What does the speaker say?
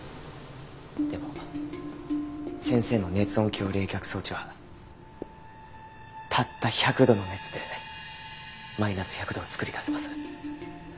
でも先生の熱音響冷却装置はたった１００度の熱でマイナス１００度を作り出せます。